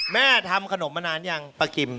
แม่ทำขนมมานานยังปลากิม